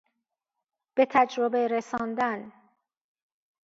بتجربه رساندن